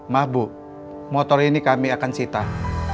mabuh motor ini kami akan sitah